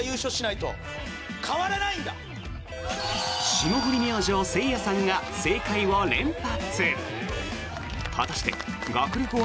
霜降り明星、せいやさんが正解を連発！